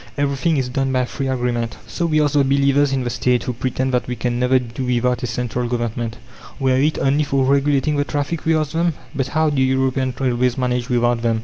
Everything is done by free agreement. So we ask the believers in the State, who pretend that "we can never do without a central Government, were it only for regulating the traffic," we ask them: "But how do European railways manage without them?